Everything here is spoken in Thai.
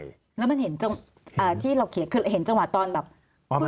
แล้วมันเห็นจังหวะที่เราเขียนคือเห็นจังหวะตอนแบบ